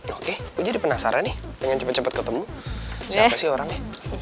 oke gue jadi penasaran nih pengen cepet cepet ketemu siapa sih orangnya